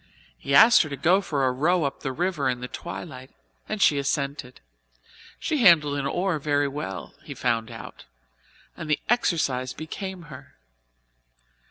He asked her to go for a row up the river in the twilight and she assented; she handled an oar very well, he found out, and the exercise became her.